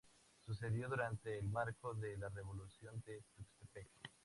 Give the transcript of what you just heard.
Sucedió durante el marco de la Revolución de Tuxtepec.